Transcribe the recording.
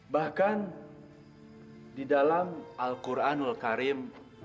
bahkan di dalam al quranul karim